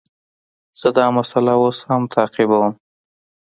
زه دا مسئله اوس هم تعقیبوم.